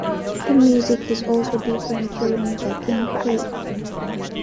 The music is also different during the gameplay.